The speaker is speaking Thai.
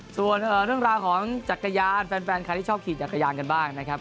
ส่วนเรื่องราวของจักรยานแฟนใครที่ชอบขี่จักรยานกันบ้างนะครับ